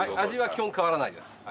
味は基本変わらないです。